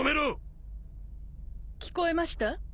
聞こえました？